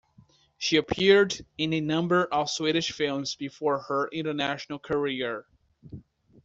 She appeared in a number of Swedish films before her international career.